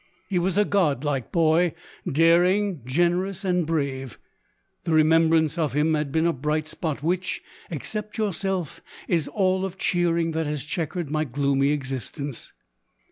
He was a god like boy ; daring, generous, and brave. The remembrance of him has been the bright spot which, except yourself, is all of cheering that has chequered my gloomy existence.